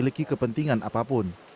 dan tidak memiliki kepentingan apapun